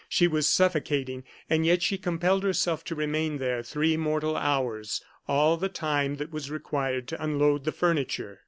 She was suffocating and yet she compelled herself to remain there three mortal hours all the time that was required to unload the furniture.